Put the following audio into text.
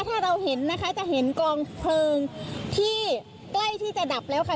ถ้าเราเห็นนะคะจะเห็นกองเพลิงที่ใกล้ที่จะดับแล้วค่ะ